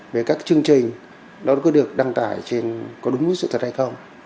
về các chương trình đó có được đăng tải trên có đúng sự thật hay không